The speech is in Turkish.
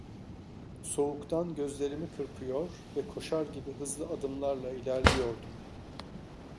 Soğuktan gözlerimi kırpıyor ve koşar gibi hızlı adımlarla ilerliyordum.